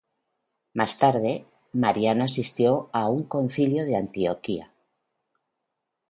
Más tarde, Mariano asistió a un Concilio de Antioquía.